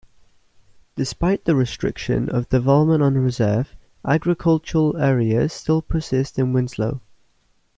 Despite the restriction of development on the reserve, agricultural areas still persist in Winslow.